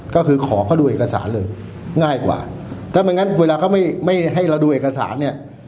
ก็คือขอเขาดูเอกสารเลยง่ายกว่าถ้าไม่งั้นเวลาเขาไม่ไม่ให้เราดูเอกสารเนี่ย